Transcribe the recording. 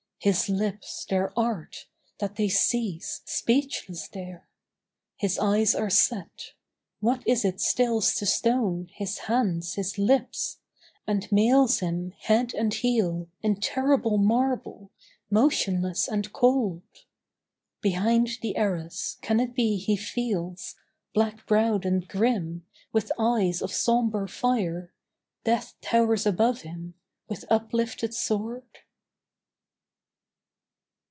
His lips, their art, that they cease, speechless there? His eyes are set ... What is it stills to stone His hands? his lips? and mails him, head and heel, In terrible marble, motionless and cold? Behind the arras, can it be he feels, Black browed and grim, with eyes of sombre fire, Death towers above him with uplifted sword?